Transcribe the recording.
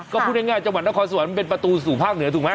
ก็พูดง่ายจังหวัดนครสวรรค์เป็นประตูสู่ภาคเหนือถูกไหม